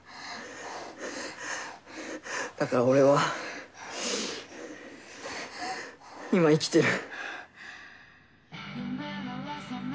はぁはぁだから俺は今生きてる。